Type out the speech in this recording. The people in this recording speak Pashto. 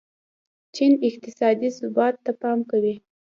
چین اقتصادي ثبات ته پام کوي.